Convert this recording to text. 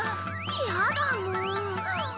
嫌だもう。